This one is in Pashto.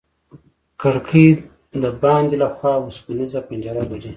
کړکۍ د باندې له خوا وسپنيزه پنجره لرله.